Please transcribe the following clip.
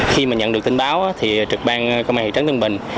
khi mà nhận được tin báo thì trực ban công an thị trấn tân bình